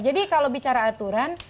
jadi kalau bicara aturan